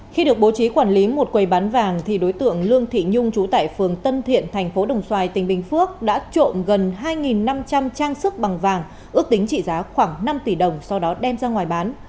khi được bố trí quản lý một quầy bán vàng thì đối tượng lương thị nhung trú tại phường tân thiện thành phố đồng xoài tỉnh bình phước đã trộm gần hai năm trăm linh trang sức bằng vàng ước tính trị giá khoảng năm tỷ đồng sau đó đem ra ngoài bán